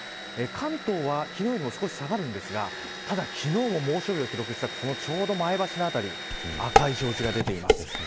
関東は昨日より少し下がるんですがただ昨日も猛暑日を記録した前橋の辺り赤い表示が出ています。